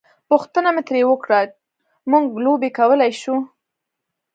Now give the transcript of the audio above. پوښتنه مې ترې وکړه: موږ لوبې کولای شو؟